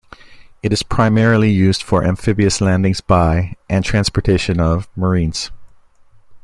It is primarily used for amphibious landings by, and transportation of, marines.